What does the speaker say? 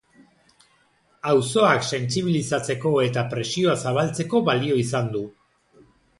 Auzoak sentsibilizatzeko eta presioa zabaltzeko balio izan du.